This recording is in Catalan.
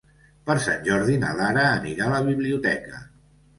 Per Sant Jordi na Lara anirà a la biblioteca.